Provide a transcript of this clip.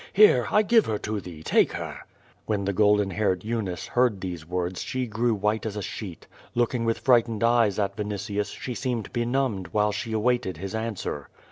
Here, I give her to thee; take her.*' When the golden haired Eunice heard these words she grew white as a sheet. Looking with frightened eyes at Vinitius, she seemed benumbed while she awaited his an swer.